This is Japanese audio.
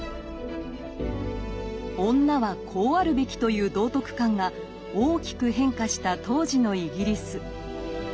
「女はこうあるべき」という道徳観が大きく変化した当時のイギリス。